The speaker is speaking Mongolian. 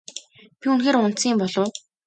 Би үнэхээр унтсан юм болов уу?